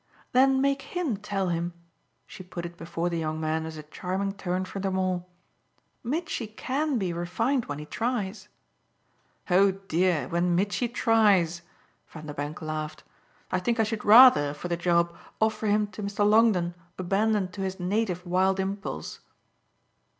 "Then make HIM tell him" she put it before the young man as a charming turn for them all. "Mitchy CAN be refined when he tries." "Oh dear when Mitchy 'tries'!" Vanderbank laughed. "I think I should rather, for the job, offer him to Mr. Longdon abandoned to his native wild impulse."